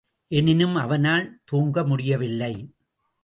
எனினும் அவனால் தூங்க முடியவில்லை.